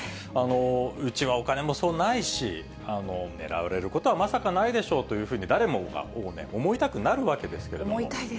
うちはお金もそうないし、狙われることはまさかないでしょうと、誰もが思いたくなるわけで思いたいです。